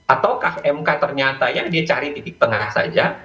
ataukah mk ternyata yang dia cari titik tengah saja